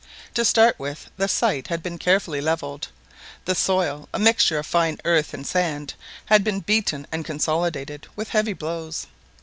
To start with, the site had been carefully levelled. The soil, a mixture of fine earth and sand, had been beaten and consolidated with heavy blows.